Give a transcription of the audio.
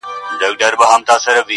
که یې سیلیو چڼچڼۍ وهلي!